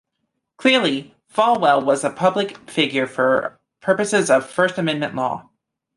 Clearly, Falwell was a public figure for purposes of First Amendment law.